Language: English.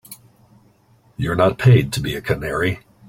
You're not paid to be a canary.